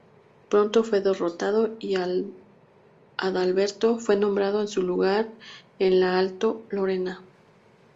Pronto fue derrotado y Adalberto fue nombrado en su lugar en la Alto Lorena.